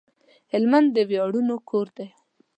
هلمند د وياړونو کور دی